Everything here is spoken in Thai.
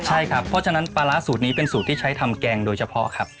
ใช่ครับเพราะฉะนั้นปลาร้าสูตรนี้เป็นสูตรที่ใช้ทำแกงโดยเฉพาะครับ